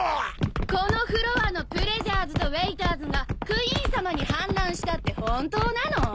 このフロアのプレジャーズとウェイターズがクイーンさまに反乱したって本当なの？